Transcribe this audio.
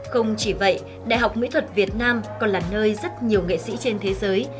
không chỉ vậy đại học mỹ thuật việt nam còn là nơi rất nhiều nghệ sĩ trên thế giới